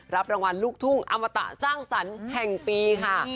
รับรางวัลลูกทุ่งอมตะสร้างสรรค์แห่งปีค่ะ